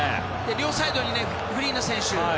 両サイドにフリーの選手。